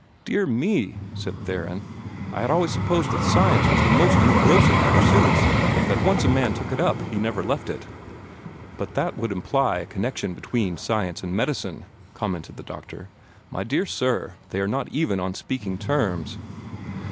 "Dear me!" said Theron. "I had always supposed that Science was the most engrossing of pursuits that once a man took it up he never left it." "But that would imply a connection between Science and Medicine!" commented the doctor. "My dear sir, they are not even on speaking terms."